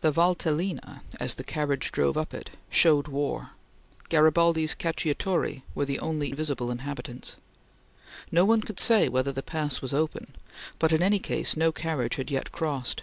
The Valtellina, as the carriage drove up it, showed war. Garibaldi's Cacciatori were the only visible inhabitants. No one could say whether the pass was open, but in any case no carriage had yet crossed.